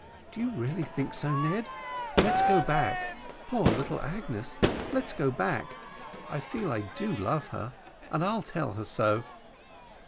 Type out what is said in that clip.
"Do you really think so, Ned? let's go back poor little Agnes let's go back; I feel I do love her, and I'll tell her so."